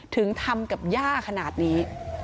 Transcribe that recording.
ถึงทำกับย่าขนาดนี้